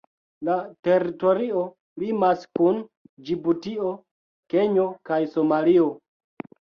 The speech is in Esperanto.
La teritorio limas kun Ĝibutio, Kenjo kaj Somalio.